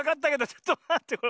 ちょっとまってよ。